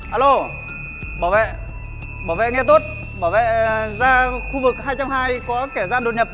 alo bảo vệ bảo vệ nghe tốt bảo vệ ra khu vực hai trăm hai mươi có kẻ gian đột nhập